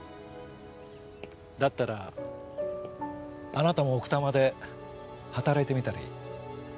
だったらあなたも奥多摩で働いてみたらいい。